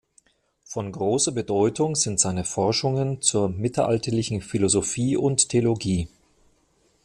Von großer Bedeutung sind seine Forschungen zur mittelalterlichen Philosophie und Theologie.